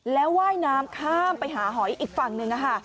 แล้วว่ายน้ำข้ามไปหาหอยอีกฝั่งหนึ่ง